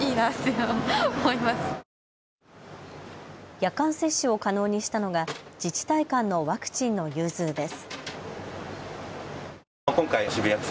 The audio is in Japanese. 夜間接種を可能にしたのが自治体間のワクチンの融通です。